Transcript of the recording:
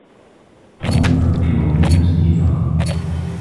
توم يفكر في نفسه فقط.